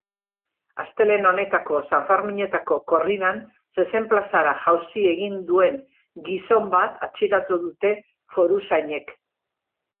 Astelehen honetako sanferminetako korridan zezen-plazara jauzi egin duen gizon bat atxilotu dute foruzainek.